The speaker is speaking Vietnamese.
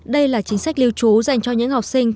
đây là chính sách lưu trú dành cho những học sinh